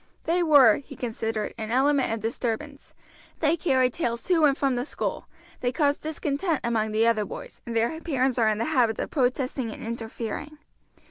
They were, he considered, an element of disturbance; they carry tales to and from the school; they cause discontent among the other boys, and their parents are in the habit of protesting and interfering.